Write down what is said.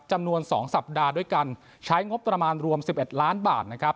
จำนวน๒สัปดาห์ด้วยกันใช้งบประมาณรวม๑๑ล้านบาทนะครับ